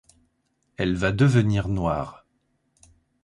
Elle va devenir noire.